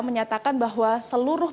menyatakan bahwa seluruh